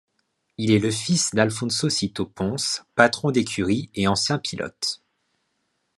Il est le fils de Alfonso Sito Pons patron d'écurie et ancien pilote.